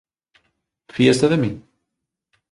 Fíaste de min?